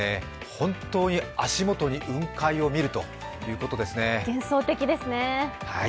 本当に足元に雲海を見るということですね。